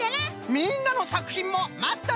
みんなのさくひんもまっとるぞい！